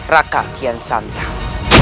raka kian santang